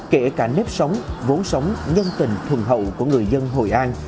kể cả nếp sống vốn sống nhân tình thuần hậu của người dân hội an